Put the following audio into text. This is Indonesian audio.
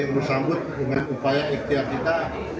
juga yang bersambut dengan upaya ikhtiar kita